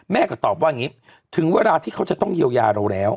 แม่ก็ตอบว่าอย่างนี้ถึงเวลาที่เขาจะต้องเยียวยาเราแล้ว